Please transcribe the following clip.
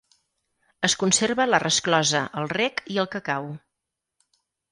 Es conserva la resclosa, el rec i el cacau.